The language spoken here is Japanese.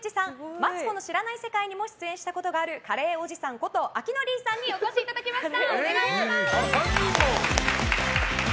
「マツコの知らない世界」にも出演したことがあるカレーおじさんことＡＫＩＮＯＬＥＥさんにお越しいただきました！